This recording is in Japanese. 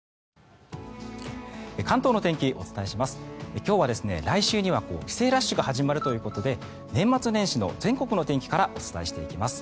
今日は、来週には帰省ラッシュが始まるということで年末年始の全国の天気からお伝えしていきます。